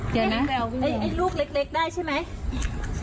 เจอไหมไอ้ลูกเล็กได้ใช่ไหม